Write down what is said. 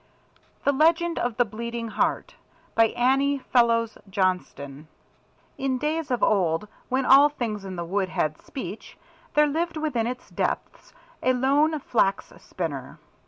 The Legend of the Bleeding heart In days of old, when all things in the Wood had speech, there lived within its depths a lone Flax spinner.